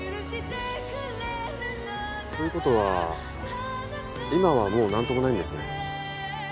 ということは今はもう何ともないんですね？